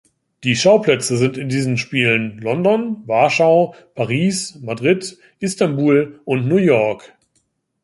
Die Schauplätze sind in diesen Spielen London, Warschau, Paris, Madrid, Istanbul und New York.